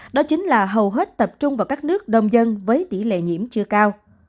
đó chính là hầu hết tập trung vào các nước đông dân với tỷ lệ nhiễm chưa cao